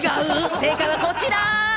正解はこちら。